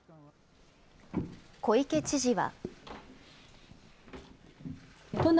小池知事は。